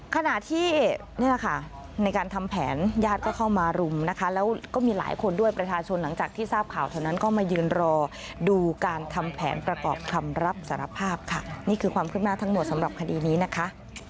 ขณะที่นี่แหละค่ะในการทำแผนญาติก็เข้ามารุมนะคะแล้วก็มีหลายคนด้วยประชาชนหลังจากที่ทราบข่าวเท่านั้นก็มายืนรอดูการทำแผนประกอบคำรับสารภาพค่ะนี่คือความขึ้นหน้าทั้งหมดสำหรับคดีนี้นะคะ